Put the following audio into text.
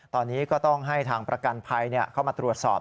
ตอนนี้ก็ต้องให้ทางประกันภัยเข้ามาตรวจสอบ